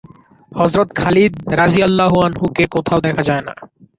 হযরত Khalid রাযিয়াল্লাহু আনহু-কে কোথাও দেখা যায় না।